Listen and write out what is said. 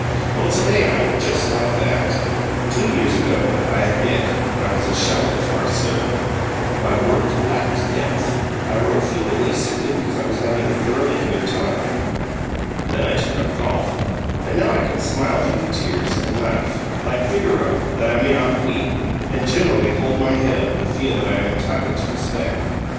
Well, today I am just like that. Two years ago, I admit, I was a shallow farceur. My work lacked depth. I wrote flippantly simply because I was having a thoroughly good time. Then I took up golf, and now I can smile through the tears and laugh, like Figaro, that I may not weep, and generally hold my head up and feel that I am entitled to respect.